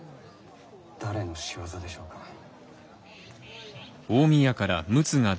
誰の仕業でしょうか。